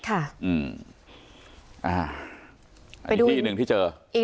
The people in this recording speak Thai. อีกที่อีกหนึ่งที่เจอ